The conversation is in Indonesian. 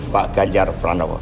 pak ganjar peranowo